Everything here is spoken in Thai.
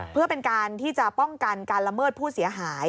เพื่อเป็นการที่จะป้องกันการละเมิดผู้เสียหาย